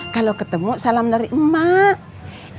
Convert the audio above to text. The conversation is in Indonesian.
kalo ketemu salam dari emang